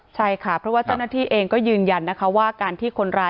ใช่ค่ะเพราะว่าเจ้าหน้าที่เองก็ยืนยันนะคะว่าการที่คนร้าย